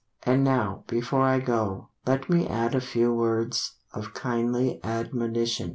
And now before I go Let me add a few words Of kindly admonition.